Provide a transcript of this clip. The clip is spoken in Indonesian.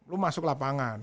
lu masuk lapangan